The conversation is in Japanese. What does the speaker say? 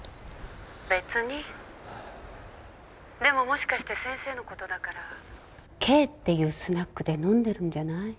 ☎別に☎でももしかして先生のことだから「Ｋ」ってスナックで飲んでるんじゃない？